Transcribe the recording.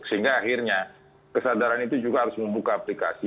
sehingga akhirnya kesadaran itu juga harus membuka aplikasi